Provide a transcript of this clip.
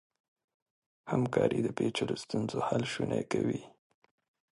همکاري د پېچلو ستونزو حل شونی کوي.